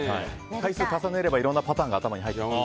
回数を重ねればいろんなパターンが入ってくる。